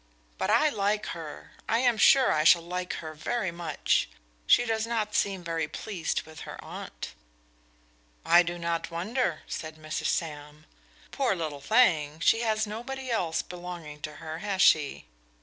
But I like her I am sure I shall like her very much. She does not seem very pleased with her aunt." "I do not wonder," said Mrs. Sam. "Poor little thing she has nobody else belonging to her, has she?"